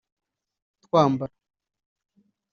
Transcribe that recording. twambara